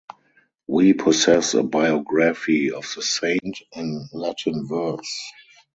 We possess a biography of the saint in Latin verse.